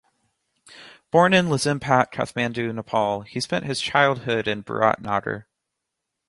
Born in Lazimpat, Kathmandu, Nepal, he spent his childhood in Biratnagar.